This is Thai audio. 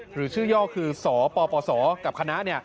หรือชื่อย่อคือสปสกับคณะ